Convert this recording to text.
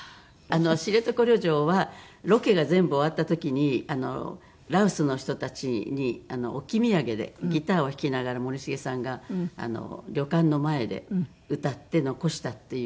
『知床旅情』はロケが全部終わった時に羅臼の人たちに置き土産でギターを弾きながら森繁さんが旅館の前で歌って残したっていう。